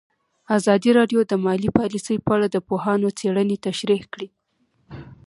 ازادي راډیو د مالي پالیسي په اړه د پوهانو څېړنې تشریح کړې.